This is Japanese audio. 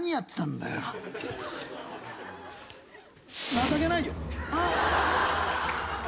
情けない。